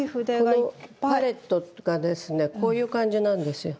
このパレットがですねこういう感じなんですよ。